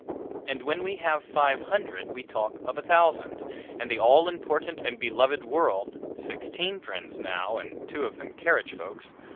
And, when we have five hundred, we talk of a thousand, and the all important and beloved "world" (sixteen friends now, and two of them carriage folks!)